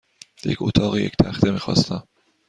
یک اتاق یک تخته میخواستم.